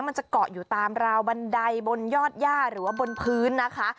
มันจะเกาะอยู่ตามราวบันไดบนยอดย่าหรือว่าบนพื้นนะคะ